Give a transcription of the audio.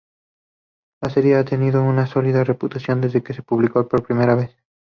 La serie ha tenido una sólida reputación desde que se publicó por primera vez.